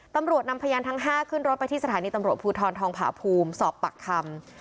ตำรวจนำพยานทั้ง๕ขึ้นรถไปที่สถานีตำรวจภูทรทองผาภูมิสอบปากคำ